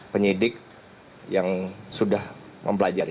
penyidik yang sudah mempelajari